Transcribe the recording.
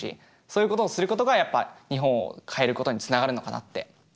そういうことをすることがやっぱ日本を変えることにつながるのかなって思う。